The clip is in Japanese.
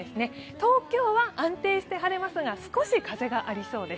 東京は安定して晴れますが少し風がありそうです。